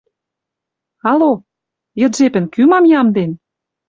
Алло! Йыд жепӹн кӱ мам ямден?